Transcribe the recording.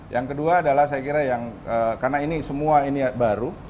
yang kedua adalah saya kira yang karena ini semua ini baru